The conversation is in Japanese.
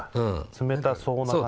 冷たそうな感じ？